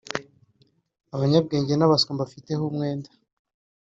abanyabwenge n’abaswa mbafiteho umwenda